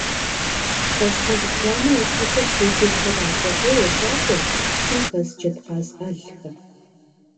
Лӏэщӏыгъуэ зыбжанэ ипэкӏэ пуделхэр ящӏыгъуу ещакӏуэрт псым хэс джэдкъаз ӏэлхэм.